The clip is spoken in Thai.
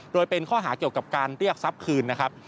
โดยเป็นข้อหาเกี่ยวกับการเรียกทรัพย์คืนนะครับ